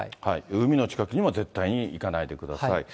海の近くには絶対に行かないでください。